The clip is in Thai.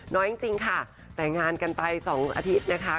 น้อยจริงค่ะแต่งงานกันไป๒อาทิตย์นะคะ